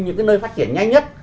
những cái nơi phát triển nhanh nhất